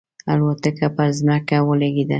الوتکه پر ځمکه ولګېده.